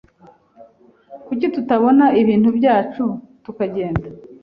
Kuki tutabona ibintu byacu tukagenda?